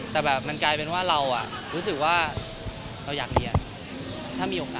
แต่แบบมันกลายเป็นว่าเรารู้สึกว่าเราอยากเรียนถ้ามีโอกาส